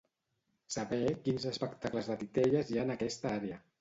Saber quins espectacles de titelles hi ha en aquesta àrea.